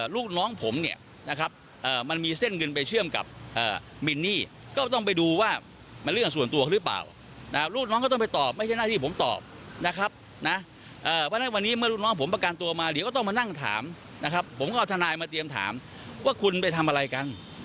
ลองฟังค่ะว่าจะต้องบิ๊กโจ๊กพูดถึงเรื่องนี้ว่ายังไงนะคะ